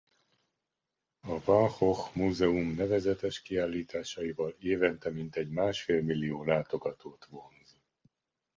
A Van Gogh Múzeum nevezetes kiállításaival évente mintegy másfél millió látogatót vonz.